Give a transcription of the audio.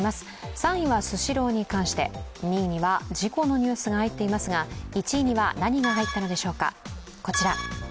３位はスシローに関して、２位には事故のニュースが入っていますが、１位には何が入ったのでしょうか。